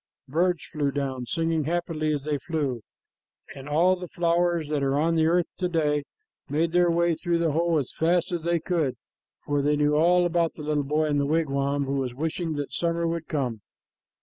Birds flew down, singing happily as they flew, and all kinds of flowers that are on the earth to day made their way through the hole as fast as they could, for they knew all about the little boy in the wigwam who was wishing that summer would come.